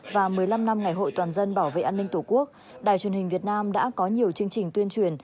và một mươi năm năm ngày hội toàn dân bảo vệ an ninh tổ quốc đài truyền hình việt nam đã có nhiều chương trình tuyên truyền